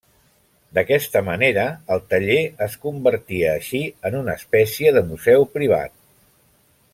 D'aquesta manera, el taller es convertia així en una espècia de museu privat.